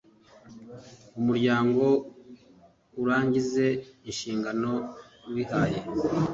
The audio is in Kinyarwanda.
Umuryango urangize inshingano wihaye